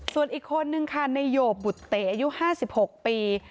ส่วนอีกคนนึงค่ะในโยบบุตเตอายุ๕๖ปี